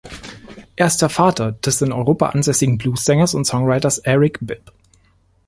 Er ist der Vater des in Europa ansässigen Blues-Sängers und Songwriters Eric Bibb.